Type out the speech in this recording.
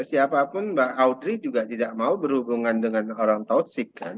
siapapun mbak audrey juga tidak mau berhubungan dengan orang tausik kan